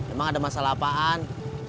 emang ada masalah apaan